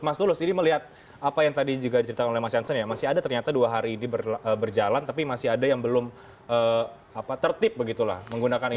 mas tulus ini melihat apa yang tadi juga diceritakan oleh mas jansen ya masih ada ternyata dua hari ini berjalan tapi masih ada yang belum tertib begitulah menggunakan ini